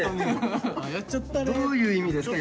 どういう意味ですか？